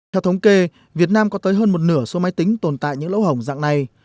theo thống kê việt nam có tới hơn một nửa số máy tính tồn tại những lỗ hồng dạng này